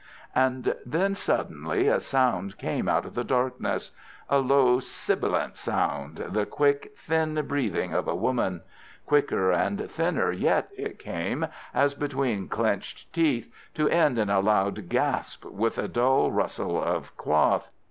And then suddenly a sound came out of the darkness—a low, sibilant sound, the quick, thin breathing of a woman. Quicker and thinner yet it came, as between clenched teeth, to end in a loud gasp with a dull rustle of cloth.